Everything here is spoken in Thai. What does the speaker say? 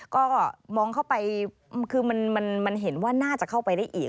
ก็มองเข้าไปคือมันเห็นว่าน่าจะเข้าไปได้อีก